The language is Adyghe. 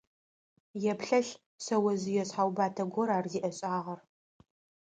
Еплъэлъ, шъэожъые шъхьэубатэ гор ар зиӏэшӏагъэр.